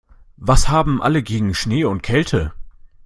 Was haben alle gegen Schnee und Kälte?